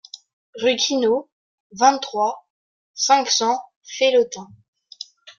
Rue Quinault, vingt-trois, cinq cents Felletin